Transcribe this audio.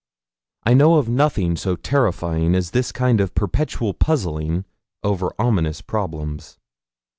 I know of nothing so terrifying as this kind of perpetual puzzling over ominous problems.